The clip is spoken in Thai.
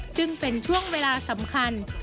ซึ่งเป็นช่วงเวลาสำคัญ